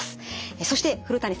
そして古谷さん